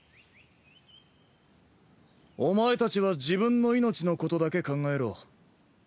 お前たちは自分の命のことだけ考えろ。